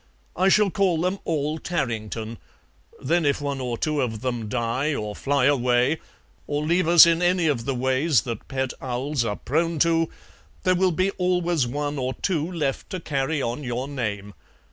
I shall call them all Tarrington; then if one or two of them die or fly away, or leave us in any of the ways that pet owls are prone to, there will be always one or two left to carry on your name.